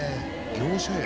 業者や。